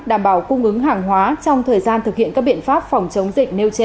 đảm bảo cung ứng hàng hóa trong thời gian thực hiện các biện pháp phòng chống dịch nêu trên